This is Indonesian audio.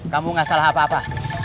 kamu gak salah apa apa